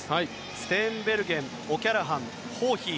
ステーンベルゲンオキャラハン、ホーヒー